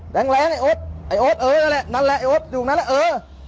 แรงไอ้โอ๊ตไอ้โอ๊ตเอ๋ยนั่นแหละนั่นแหละไอ้โอ๊ตอยู่ตรงนั้นแล้วเออ